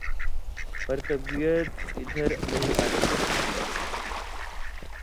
پر طبیعت ادھر نہیں آتی